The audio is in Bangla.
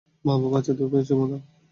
বাবু, বাচ্চাদের চুমু দাও।